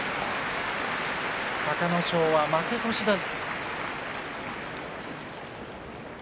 隆の勝は負け越しです。